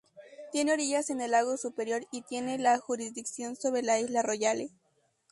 Tiene orillas en el lago Superior y tiene la jurisdicción sobre la isla Royale.